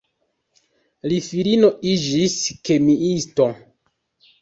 Li filino iĝis kemiisto.